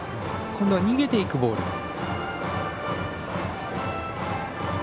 今度は逃げていくボール。